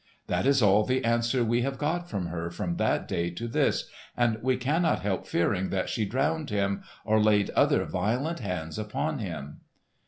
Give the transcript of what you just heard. That is all the answer we have got from her, from that day to this, and we cannot help fearing that she drowned him, or laid other violent hands upon him.